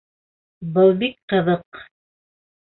—Был бик ҡыҙыҡ.